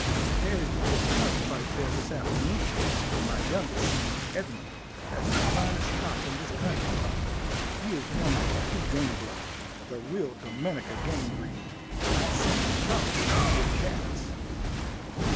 There is to be a cock fight there this afternoon, and my youngest son, Edmund, has the finest cock in this country. He is one of the true game blood, the real Dominica game breed; and I sent to Charleston for his gaffs.